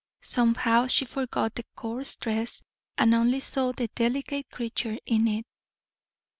Somehow she forgot the coarse dress, and only saw the delicate creature in it.